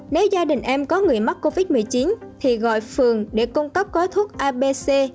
nếu gia đình em có người mắc covid một mươi chín thì gọi phường để cung cấp gói thuốc abc